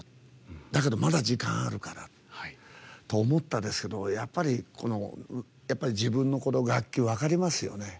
だけど、まだ時間あるからと思ったんですけどやっぱり、自分の楽器分かりますよね。